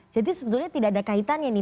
jadi sebenarnya tidak ada kaitannya nih